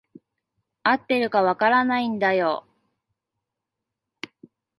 合ってるか分からないんだよ。